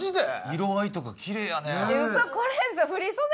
色合いとかキレイやね。